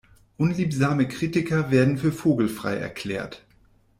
Unliebsame Kritiker werden für vogelfrei erklärt.